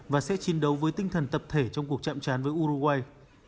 và sẽ chiến đấu với tinh thần tập thể trong cuộc chạm chán với uruguay